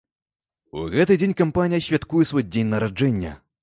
У гэты дзень кампанія святкуе свой дзень нараджэння.